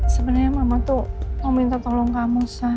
sebenarnya mama tuh mau minta tolong kamu